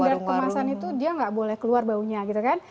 karena kan standar kemasan itu dia nggak boleh keluar baunya gitu kan